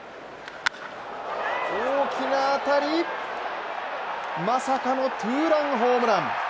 大きな当たり、まさかのツーランホームラン。